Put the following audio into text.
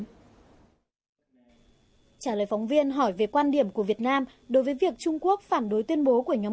trả lời phóng viên hỏi về quan điểm của việt nam đối với việc trung quốc phản đối tuyên bố của nhóm